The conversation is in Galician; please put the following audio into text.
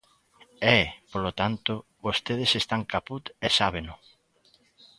E, polo tanto, vostedes están caput e sábeno.